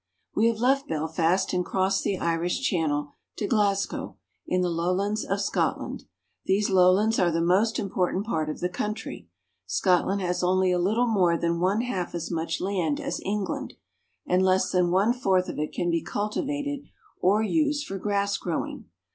WE have left Belfast and crossed the Irish Channel to Glasgow, in the lowlands of Scotland. These lowlands are the most important part of the country. Scotland has only a little more than one half as much land as England, and less than one fourth of it can be cultivated or used for grass growing.